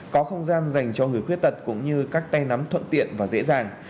có không gian dành cho người khuyết tật cũng như các tay nắm thuận tiện và dễ dàng